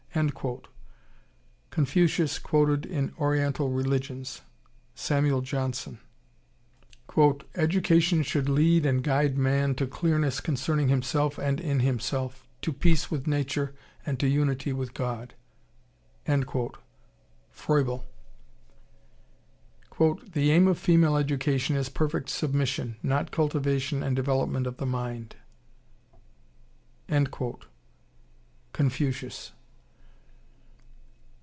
Confucius Quoted in "Oriental Religions," Samuel Johnson. "Education should lead and guide man to clearness concerning himself and in himself, to peace with nature and to unity with God." Froebel. "The aim of female education is perfect submission, not cultivation and development of the mind." Confucius.